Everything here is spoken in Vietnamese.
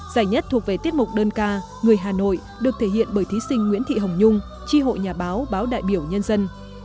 giải nhất thuộc về tiết mục đơn ca người hà nội được thể hiện bởi thí sinh nguyễn thị hồng nhung tri hội nhà báo báo đại biểu nhân dân